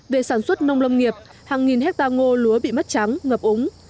về sản xuất nông lâm nghiệp hàng nghìn hectare ngô lúa bị mất trắng ngập úng